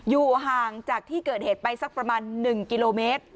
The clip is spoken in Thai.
อยู่ห่างจากที่เกิดเหตุไปสักประมาณ๑กิโลเมตร